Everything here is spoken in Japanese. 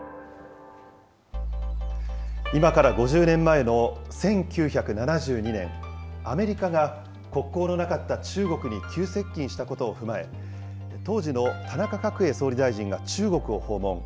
今から５０年前の１９７２年、アメリカが、国交のなかった中国に急接近したことを踏まえ、当時の田中角栄総理大臣が中国を訪問。